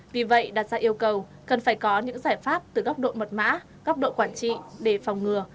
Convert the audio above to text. vì vậy đặt ra yêu cầu cần phải có những giải pháp từ góc độ mật mã góc độ quản trị để phòng ngừa